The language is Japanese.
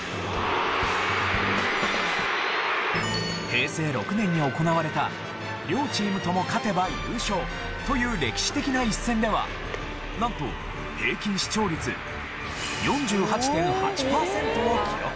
平成６年に行われた両チームとも勝てば優勝という歴史的な一戦ではなんと平均視聴率４８．８パーセントを記録。